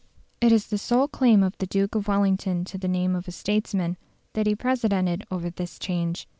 It is the sole claim of the Duke of Wellington to the name of a statesman, that he presided over this change.